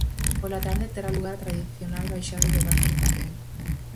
Pola tarde terá lugar a tradicional baixada de barcos de papel.